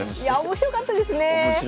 面白かったですね。